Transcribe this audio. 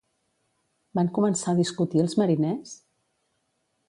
Van començar a discutir els mariners?